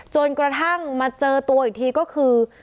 จนกระทั่งมาเจอตัวอีกทีก็คือ